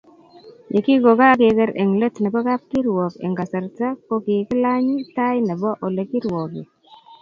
Ye kingokakeker eng let nebo kapkirwok eng kasarta kokikilany tai nebo Ole kirwoke